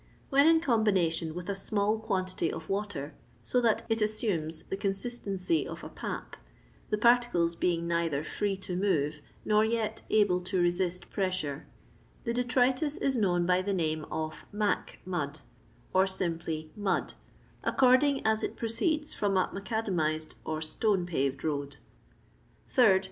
When in comhination with a small quan tity of water, so that it assumes the consistency of a pap, the particles being naither free to move nor yet able to resist pressure, the detritus is known by the oaaa of "mac mud/' or simply " mud, according as it proceeds from a macadam ised or stone paved road. 8rd.